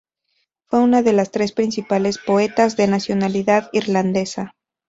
Fue una de las tres principales poetas de nacionalidad irlandesa.